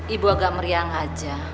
ibu agak meriang aja